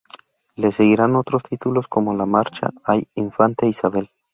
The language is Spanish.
Le seguirían otros títulos como la marcha "¡Ay, infanta Isabel!